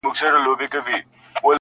ارمان به وکړې وخت به تېر وي-